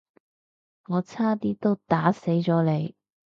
我差啲都打死咗你